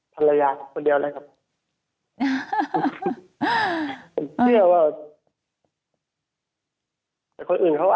ภรรยาคนเดียวแล้วครับ